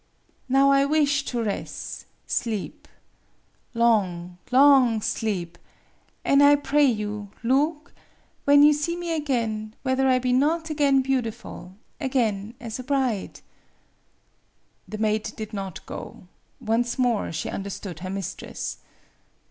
Now I wish to res' sleep. Long long sleep. An' I pray you, loog, MADAME BUTTERFLY 83 when you see me again, whether I be not again beautiful again as a bride." The maid did not go. Once more she understood her mistress.